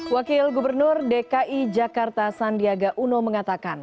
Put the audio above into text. wakil gubernur dki jakarta sandiaga uno mengatakan